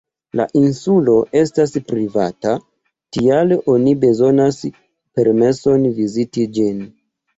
La insulo estas privata, tial oni bezonas permeson viziti ĝin.